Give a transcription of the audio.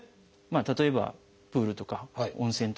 例えばプールとか温泉とか。